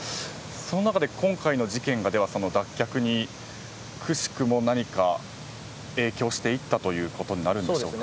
その中で今回の事件では脱却に、くしくも何か影響していったということになるんでしょうか？